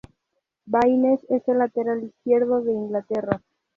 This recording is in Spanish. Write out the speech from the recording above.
Baines es el lateral izquierdo de Inglaterra.